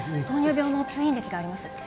糖尿病の通院歴があります。